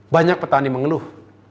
banyak petani mengeluh